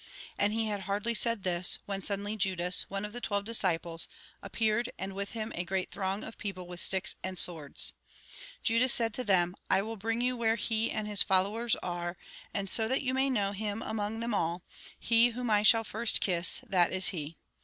And he had hardly said this, when suddenly Judas, one of the twelve disciples, appeared, and with him a great throng of people with sticks and swords. Judas said to them :" I will bring you where he and his followers are, and so that you may know him among them all, he whom I shall first kiss, that is he."